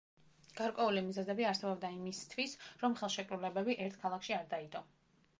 გარკვეული მიზეზები არსებობდა იმისთვის, რომ ხელშეკრულებები ერთ ქალაქში არ დაიდო.